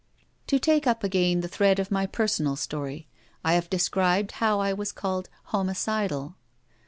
To take up again the thread of my personal story, I have described how I was called 'homicidal.'